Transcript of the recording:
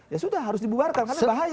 ya sudah harus dibubarkan